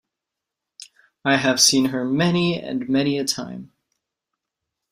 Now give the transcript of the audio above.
I have seen her many and many a time!